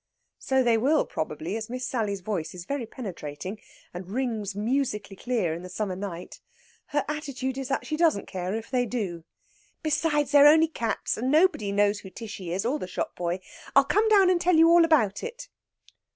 So they will, probably, as Miss Sally's voice is very penetrating, and rings musically clear in the summer night. Her attitude is that she doesn't care if they do. "Besides they're only cats! And nobody knows who Tishy is, or the shop boy. I'll come down and tell you all about it."